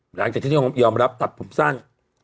หลังจากที่ยอมรับตัดผมสั้น